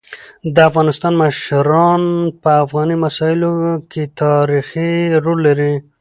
د افغانستان مشران په افغاني مسايلو کيتاریخي رول لري.